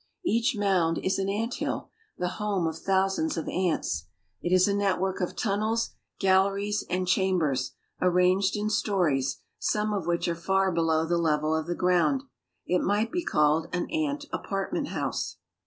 Each mound is an ant hill, the home of thousands of ants. It is a network of tunnels, galleries, and cham bers, arranged in stories, some of which are far below the level of the ground. It might be called an ant apartment house.